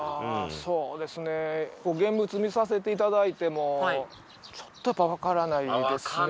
そうですね現物見させていただいてもちょっとやっぱ分からないですね